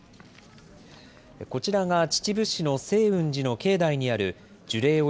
こちらが秩父市の清雲寺の境内にある樹齢